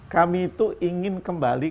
kami itu ingin kembali